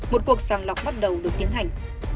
một cuộc sàng lọc bắt đầu được tiến hành